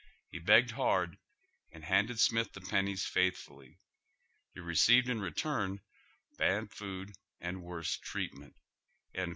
He begged hard and handed Smith the pen nies faithfully. He received in return bad food an<l worse treatment."